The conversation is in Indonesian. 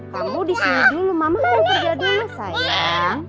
kamu disini dulu mama mau kerja dulu ya sayang